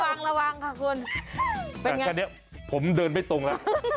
เป็นอย่างไรแต่แค่เนี่ยผมเดินไม่ตรงแล้ว